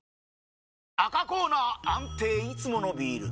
赤コーナー安定いつものビール！